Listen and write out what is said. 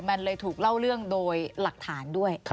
มันเลยถูกเล่าเรื่องโดยหลักฐานด้วย